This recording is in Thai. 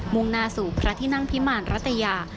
่งหน้าสู่พระที่นั่งพิมารรัตยา